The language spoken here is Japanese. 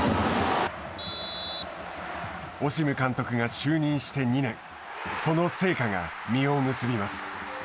オシム監督が就任して２年その成果が実を結びます。